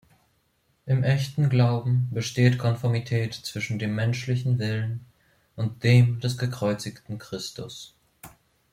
Im echten Glauben besteht Konformität zwischen dem menschlichen Willen und dem des gekreuzigten Christus.